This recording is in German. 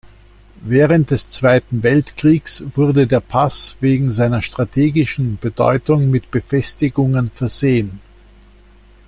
Während des Zweiten Weltkriegs wurde der Pass wegen seiner strategischen Bedeutung mit Befestigungen versehen.